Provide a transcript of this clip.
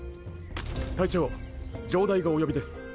隊長城代がお呼びです。